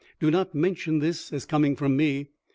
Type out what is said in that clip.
Do not mention this as coming from me.